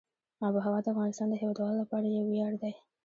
آب وهوا د افغانستان د هیوادوالو لپاره یو ویاړ دی.